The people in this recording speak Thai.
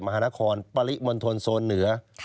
มหานครปริมณฑลโซนเหนือ